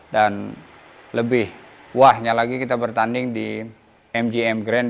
dan lebih wahnya lagi kita bertanding di mgm grand